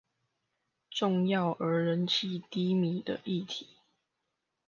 重要而人氣低迷的議題